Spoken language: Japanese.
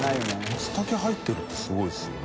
松茸入ってるってすごいですよね。